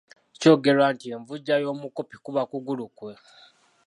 Kyogerwa nti envujja y’omukopi kuba kugulu kwe.